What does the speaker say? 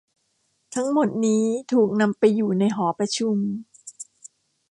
ทั้งหมดนี้ถูกนำไปอยู่ในหอประชุม